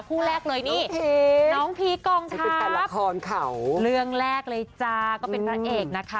คู่แรกเลยนี่น้องพีคกองครับเรื่องแรกเลยจ้าก็เป็นพระเอกนะคะ